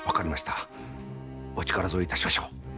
お力添えいたしましょう。